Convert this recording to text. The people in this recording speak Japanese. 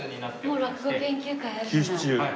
もう落語研究会あるじゃない。